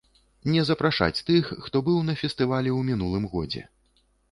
Не запрашаць тых, хто быў на фестывалі ў мінулым годзе.